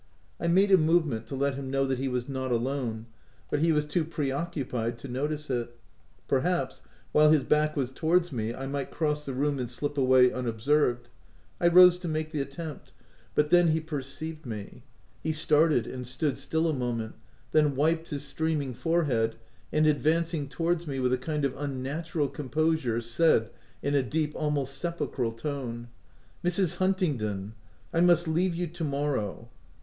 I made a movement to let him know that he was not alone ; but he was too pre occupied to notice it. Perhaps, while his back was towards me, I might cross the room and slip away unobserved, I rose to make the attempt, but then he per 6 THE TENANT ceived me. He started and stood still a mo ment ; then wiped his streaming forehead, and advancing towards me, with a kind of unna tural composure, said in a deep, almost sepul chral tone — c< Mrs. Huntingdon, I must leave you to morrow."